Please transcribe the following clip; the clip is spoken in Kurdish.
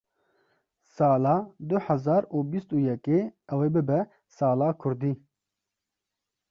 sala du hezar û bîst û yekê ew ê bibe sala kurdî.